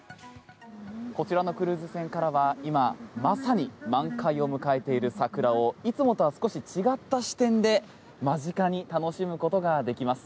こちらのクルーズ船からは今、まさに満開を迎えている桜をいつもとは少し違った視点で間近に楽しむことができます。